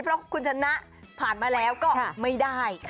เพราะคุณชนะผ่านมาแล้วก็ไม่ได้